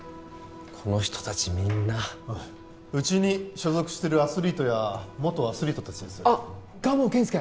この人達みんなうちに所属してるアスリートや元アスリート達ですあ蒲生謙介！